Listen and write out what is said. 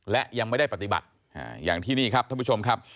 และยังไม่ได้ปฏิบัติอย่างที่นี่ครับท่านผู้ชมครับ